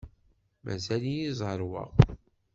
Mazal-iyi zerrweɣ.